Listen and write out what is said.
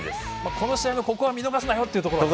この試合のここだけは見逃すなよというところは。